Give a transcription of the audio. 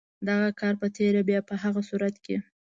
دغه کار په تېره بیا په هغه صورت کې.